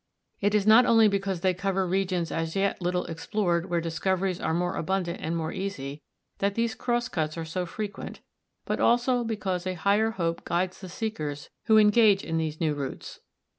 It is not only because they cover regions as yet little explored where discoveries are more abundant and more easy, that these cross cuts are so frequent, but also because a higher hope guides the seekers who engage in these new routes.